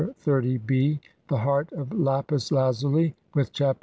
XXX b; the heart of lapis lazuli with Chap.